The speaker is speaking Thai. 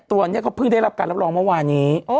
ตัวนี้เขาเพิ่งได้รับการรับรองเมื่อวานี้